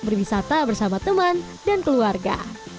berhubungan dengan teman teman dan keluarga